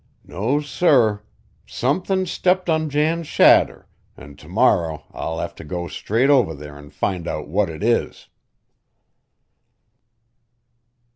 No, sir! Somethin's stepped on Jan's shadder, an' to morrow I'll have to go straight over there an' find out what it is."